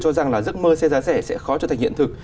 cho rằng là giấc mơ xe giá rẻ sẽ khó trở thành hiện thực